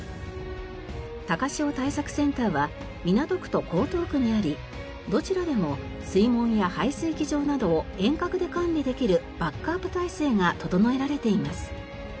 高潮対策センターは港区と江東区にありどちらでも水門や排水機場などを遠隔で管理できるバックアップ体制が整えられています。